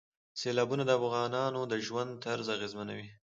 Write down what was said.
سیلابونه د افغانانو د ژوند طرز اغېزمنوي.